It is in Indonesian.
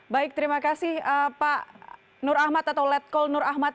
baik terima kasih pak nur ahmad atau letkol nur ahmad